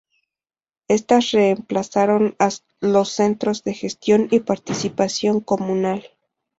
Estas reemplazaron a los Centros de Gestión y Participación Comunal.